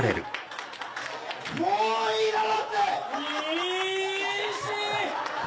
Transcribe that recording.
もういいだろって！にし！